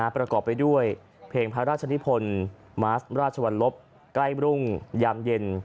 ประกอบไปด้วยเพลงพระราชนิพลมาสราชวรรลบใกล้รุ่งยามเย็น